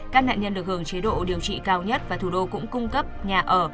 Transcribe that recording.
các nạn nhân được hưởng chế độ điều trị cao nhất và thủ đô cũng cung cấp nhà ở